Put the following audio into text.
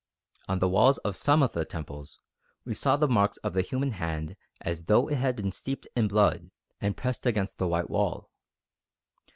On the walls of some of the temples we saw the marks of the human hand as though it had been steeped in blood and pressed against the white wall.